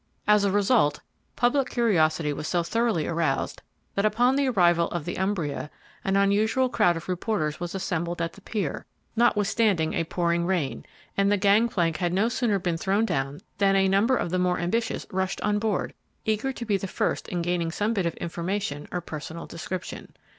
As a result, public curiosity was so thoroughly aroused, that upon the arrival of the "Umbria," an unusual crowd of reporters was assembled at the pier, notwithstanding a pouring rain, and the gang plank had no sooner been thrown down than a number of the more ambitious rushed on board, eager to be the first in gaining some bit of information or personal description.